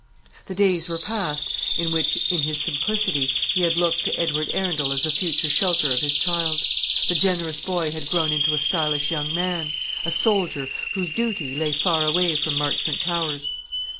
The days were past in which, in his simplicity, he had looked to Edward Arundel as the future shelter of his child. The generous boy had grown into a stylish young man, a soldier, whose duty lay far away from Marchmont Towers.